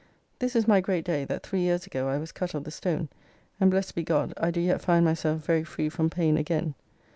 This is my great day that three years ago I was cut of the stone, and, blessed be God, I do yet find myself very free from pain again.